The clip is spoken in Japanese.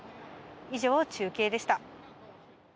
以上、中継でした。